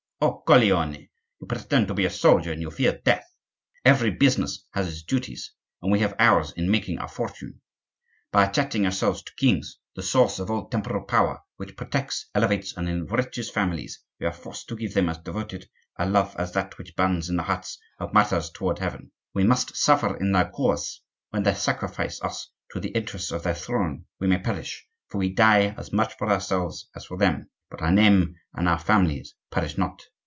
"O coglione! you pretend to be a soldier, and you fear death! Every business has its duties, and we have ours in making our fortune. By attaching ourselves to kings, the source of all temporal power which protects, elevates, and enriches families, we are forced to give them as devoted a love as that which burns in the hearts of martyrs toward heaven. We must suffer in their cause; when they sacrifice us to the interests of their throne we may perish, for we die as much for ourselves as for them, but our name and our families perish not.